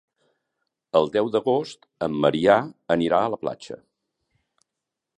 El deu d'agost en Maria anirà a la platja.